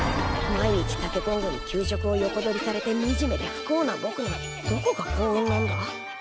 毎日タケコングに給食を横取りされてみじめで不幸なぼくのどこが幸運なんだ？